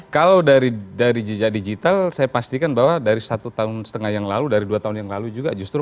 kalau dari jejak digital saya pastikan bahwa dari satu tahun setengah yang lalu dari dua tahun yang lalu juga justru